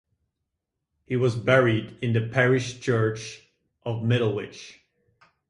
He was buried in the parish church of Middlewich.